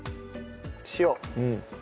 塩。